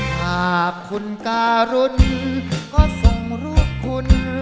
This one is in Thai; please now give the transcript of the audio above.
ถ้าคุณกาลุ้นก็ส่งรูปคุณ